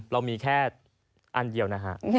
เรามีแค่อันเดียวนะฮะ